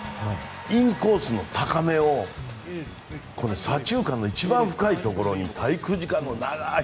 インコースの高めを左中間の一番深いところに滞空時間の長い。